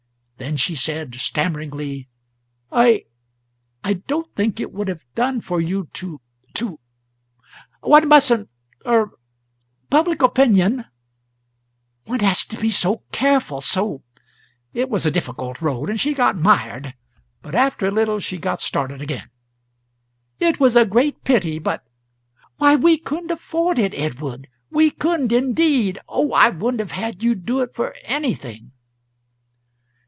Then she said stammeringly: "I I don't think it would have done for you to to One mustn't er public opinion one has to be so careful so " It was a difficult road, and she got mired; but after a little she got started again. "It was a great pity, but Why, we couldn't afford it, Edward we couldn't indeed. Oh, I wouldn't have had you do it for anything!"